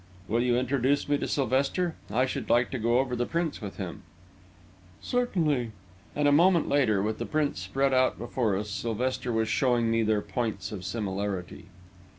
"Will you introduce me to Sylvester? I should like to go over the prints with him." "Certainly;" and, a moment later, with the prints spread out before us, Sylvester was showing me their points of similarity.